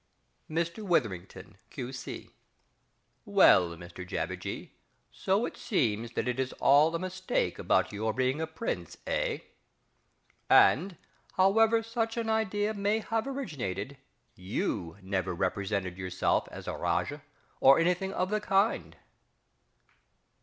Mr Witherington, Q.C. Well, Mr JABBERJEE, so it seems that it is all a mistake about your being a Prince, eh?... And, however such an idea may have originated, you never represented yourself as a Rajah, or anything of the kind?...